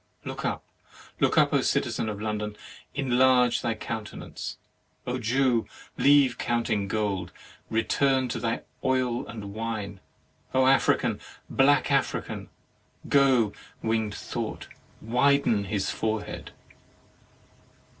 Look up! look up! citizen of London, enlarge thy countenance! O Jew, leave counting gold; return to thy oil and wine! African, black African! (Go, winged thought, widen his forehead.)